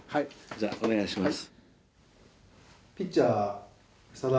じゃあお願いします。